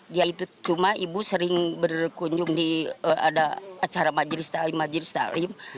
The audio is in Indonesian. dia itu cuma ibu sering berkunjung di ada acara majlis talim majlis talim